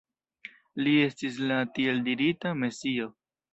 Li estis la tieldirita Mesio.